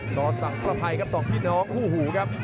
ต่อสังภัยกับสองที่น้องคู่หูครับ